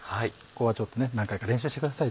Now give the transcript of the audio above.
ここはちょっと何回か練習してください